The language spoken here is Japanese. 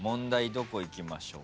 どこいきましょう？